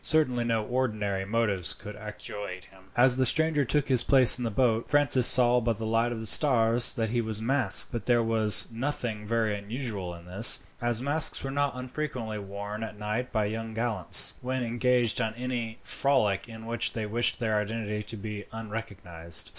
Certainly no ordinary motives could actuate him. As the stranger took his place in the boat, Francis saw by the light of the stars that he was masked; but there was nothing very unusual in this, as masks were not unfrequently worn at night by young gallants, when engaged on any frolic in which they wished their identity to be unrecognized.